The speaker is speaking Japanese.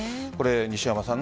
西山さん